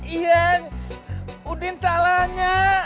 iya udin salahnya